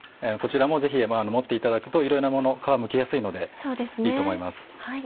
こちらもぜひ持っていただくといろいろなもの皮むきやすいのでいいと思います。